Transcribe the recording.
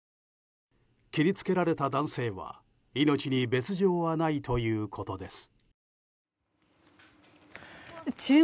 切り付けられた男性は命に別条はないということです。